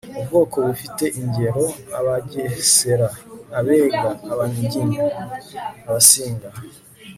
ubwoko bufite ingero abagesera, abega, abanyiginya, abasinga